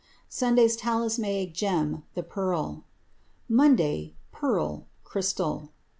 Sunday's talismanic gem: the pearl. Monday: Pearl—crystal.